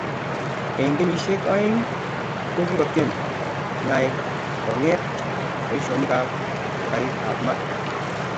eng kenyishek aeng, kokikotiem Chinaek kongeet boishonik ak karit ab maat